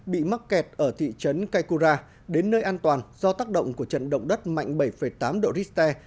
bị mắc kẹt ở thị trấn kaikura đến nơi an toàn do tác động của trận động đất mạnh bảy tám độ richter